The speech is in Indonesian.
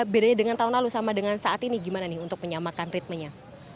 bedanya dengan tahun lalu sama dengan saat ini gimana nih untuk menyamakan ritmenya